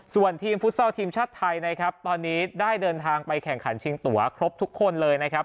ส่วนทีมฟุตซอลทีมชาติไทยนะครับตอนนี้ได้เดินทางไปแข่งขันชิงตัวครบทุกคนเลยนะครับ